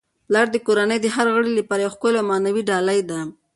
پلار د کورنی د هر غړي لپاره یو ښکلی او معنوي ډالۍ ده.